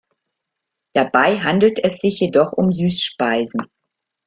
Dabei handelt es sich jedoch um Süßspeisen.